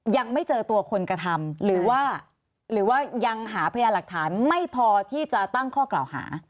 ยังไม่เจอตัวคนกระทำหรือว่าหรือว่ายังหาพยานหลักฐานไม่พอที่จะตั้งข้อกล่าวหา